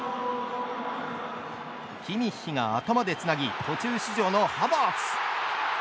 キミッヒが頭でつなぎ途中出場のハバーツ。